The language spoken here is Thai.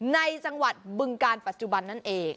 ในจังหวัดบึงการปัจจุบันนั่นเอง